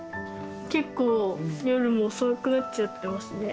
結構夜も遅くなっちゃってますね。